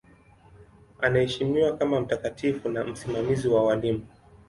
Anaheshimiwa kama mtakatifu na msimamizi wa walimu.